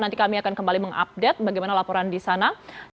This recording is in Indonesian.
nanti kami akan kembali mengupdate bagaimana laporan di sana